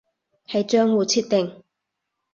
係賬戶設定